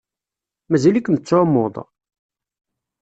Mazal-ikem tettɛummuḍ?